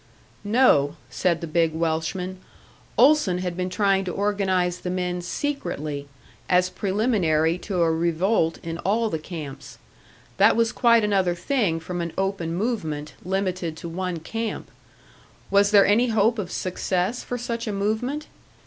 No, said the big Welshman, Olson had been trying to organise the men secretly, as preliminary to a revolt in all the camps. That was quite another thing from an open movement, limited to one camp. Was there any hope of success for such a movement?